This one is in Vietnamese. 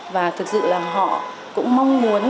và thực sự là họ cũng mong muốn